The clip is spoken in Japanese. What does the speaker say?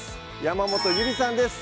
山本ゆりさんです